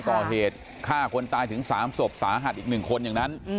ก่อเหตุฆ่าคนตายถึง๓ศพสาหัสอีก๑คนอย่างนั้น